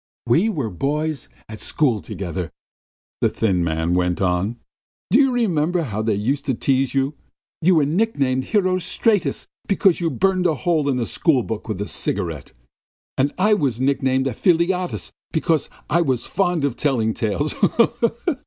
"We were boys at school together," the thin man went on. "Do you remember how they used to tease you? You were nicknamed Herostratus because you burned a hole in a schoolbook with a cigarette, and I was nicknamed Ephialtes because I was fond of telling tales.